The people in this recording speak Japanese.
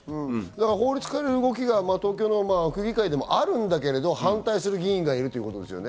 法律を変える動きが東京の区議会でもあるんだけど反対する議員があるってことですね。